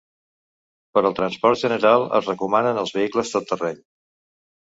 Per al transport general es recomanen els vehicles tot terreny.